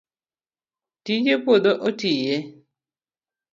tije puodho otiye